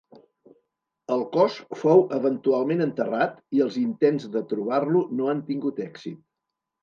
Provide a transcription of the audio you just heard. El cos fou eventualment enterrat i els intents de trobar-lo no han tingut èxit.